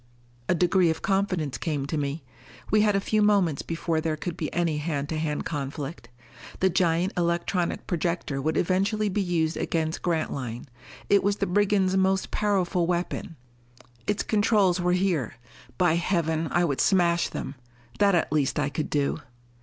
A degree of confidence came to me. We had a few moments before there could be any hand to hand conflict. The giant electronic projector would eventually be used against Grantline; it was the brigands' most powerful weapon. Its controls were here, by Heaven, I would smash them? That at least I could do!